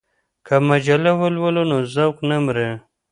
که مجله ولولو نو ذوق نه مري.